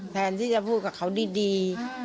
แทนที่จะพูดกับเขาดี